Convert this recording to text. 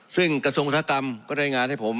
ซึ่งกระทรวงอุตสาหกรรมก็ได้งานให้ผม